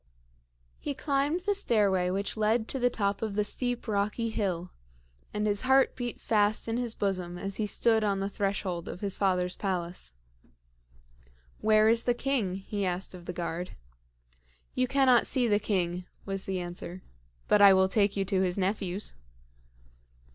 He climbed the stairway which led to the top of the steep, rocky hill, and his heart beat fast in his bosom as he stood on the threshold of his father's palace. "Where is the king?" he asked of the guard. "You cannot see the king," was the answer; "but I will take you to his nephews."